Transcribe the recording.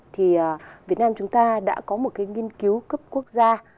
thì việt nam chúng ta đã có một cái nghiên cứu cấp quốc gia